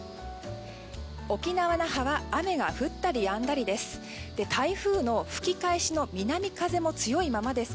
沖縄・那覇は雨が降ったりやんだりです。